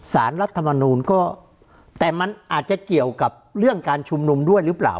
รัฐมนูลก็แต่มันอาจจะเกี่ยวกับเรื่องการชุมนุมด้วยหรือเปล่า